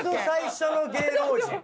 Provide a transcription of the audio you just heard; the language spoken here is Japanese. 最初の芸能人。